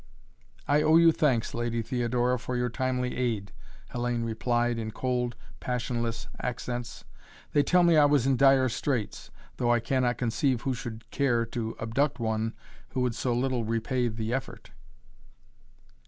"I owe you thanks, Lady Theodora, for your timely aid," Hellayne replied in cold, passionless accents. "They tell me I was in dire straits, though I cannot conceive who should care to abduct one who would so little repay the effort."